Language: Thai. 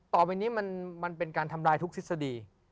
ต่อไปนี้มันเป็นการทำลายทุกทฤษฎี